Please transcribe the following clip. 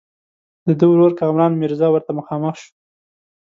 د ده ورور کامران میرزا ورته مخامخ شو.